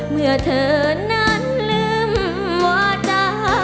เมื่อเธอนั้นลืมวาจา